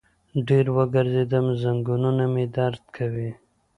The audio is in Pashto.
ډېر وګرځیدم، زنګنونه مې درد کوي